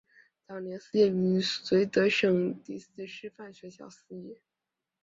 早年肄业于绥德省立第四师范学校肄业。